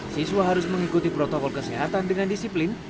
siswa harus mengikuti protokol kesehatan dengan disiplin